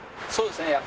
そうですね